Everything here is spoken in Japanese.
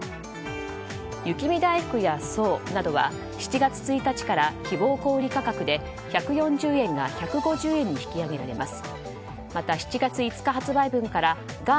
雪見だいふくや爽などは７月１日から希望小売価格で１４０円が１５０円に引き上げられます。